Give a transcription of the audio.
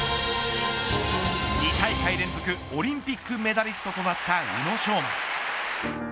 ２大会連続オリンピックメダリストとなった宇野昌磨。